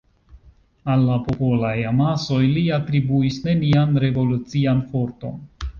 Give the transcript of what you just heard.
Al la popolaj amasoj li atribuis nenian revolucian forton.